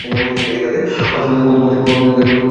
হয়তো মল তোমার অধীনে থাকতে হবে, নতুবা সে তোমার অধীনে।